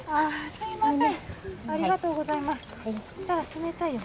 すいません。